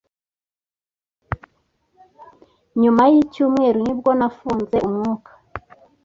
Nyuma y’icyumweru nibwo nafunze umwuka